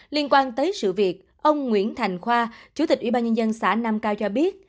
liên quan tới sự việc ông nguyễn thành khoa chủ tịch ủy ban nhân dân xã nam cao cho biết